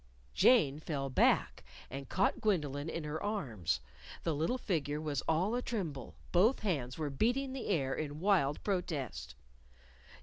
_" Jane fell back, and caught Gwendolyn in her arms. The little figure was all a tremble, both small hands were beating the air in wild protest.